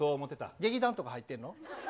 劇団とか入ってんの？